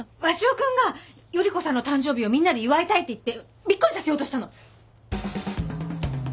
鷲尾君が依子さんの誕生日をみんなで祝いたいって言ってびっくりさせようとしたの。